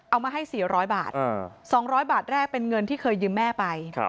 เอามาให้สี่ร้อยบาทสองร้อยบาทแรกเป็นเงินที่เคยยืมแม่ไป